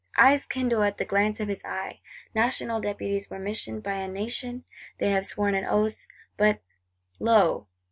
Eyes kindle at the glance of his eye:—National Deputies were missioned by a Nation; they have sworn an Oath; they—but lo!